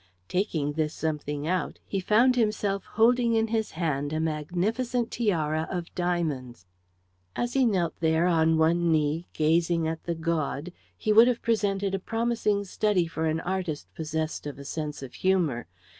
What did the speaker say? Taking this something out he found himself holding in his hand a magnificent tiara of diamonds. As he knelt there, on one knee, gazing at the gaud, he would have presented a promising study for an artist possessed of a sense of humour.